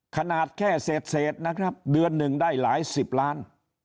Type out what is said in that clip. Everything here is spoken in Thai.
ขนาดแค่เศษนะครับเดือนหนึ่งได้หลายสิบล้าน